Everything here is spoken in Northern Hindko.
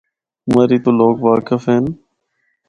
مری تو لوگ واقف ہن۔